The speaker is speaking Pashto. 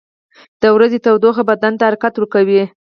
• د ورځې تودوخه بدن ته حرکت ورکوي.